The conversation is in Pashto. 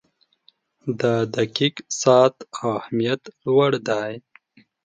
• د دقیق ساعت اهمیت لوړ دی.